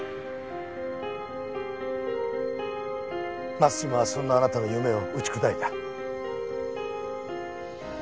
松島はそんなあなたの夢を打ち砕いた。